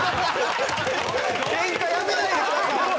ケンカやめないでください！